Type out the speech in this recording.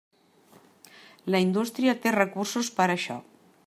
La indústria té recursos per a això.